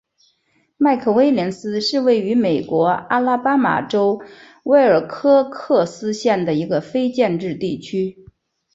麦克威廉斯是位于美国阿拉巴马州威尔科克斯县的一个非建制地区。